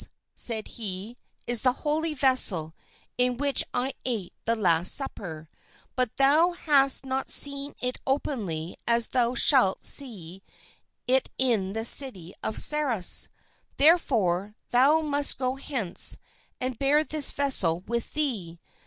"This," said he, "is the holy vessel in which I ate the Last Supper, but thou hast not seen it openly as thou shalt see it in the city of Sarras; therefore, thou must go hence, and bear this vessel with thee.